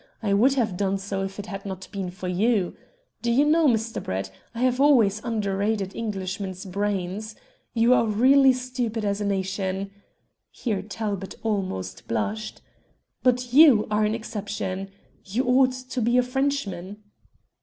I would have done so if it had not been for you. Do you know, Mr. Brett, I have always underrated Englishmen's brains. You are really stupid as a nation" here Talbot almost blushed "but you are an exception. You ought to be a Frenchman."